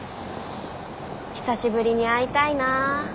久しぶりに会いたいな。